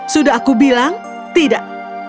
sudah aku bilang tidak